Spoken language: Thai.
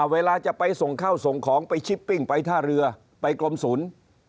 เวลาจะไปส่งข้าวส่งของไปชิปปิ้งไปท่าเรือไปกรมศูนย์